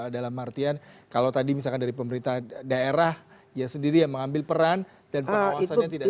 dalam artian kalau tadi misalkan dari pemerintah daerah ya sendiri yang mengambil peran dan pengawasannya tidak jelas